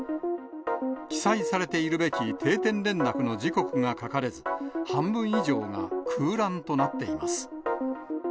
記載されているべき定点連絡の時刻が書かれず、半分以上が空欄となっています。